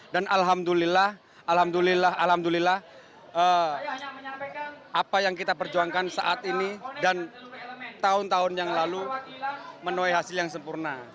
dan alhamdulillah alhamdulillah alhamdulillah apa yang kita perjuangkan saat ini dan tahun tahun yang lalu menawai hasil yang sempurna